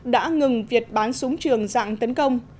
đã ngừng việc bán súng trường dạng tấn công